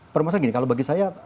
permasalahan gini kalau bagi saya